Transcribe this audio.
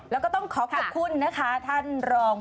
แล้วก็ต้องขอขอบคุณนะคะท่านรอง